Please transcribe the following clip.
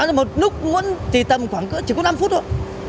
thì nhỏ là một nút muỗng thì tầm khoảng chỉ có năm phút thôi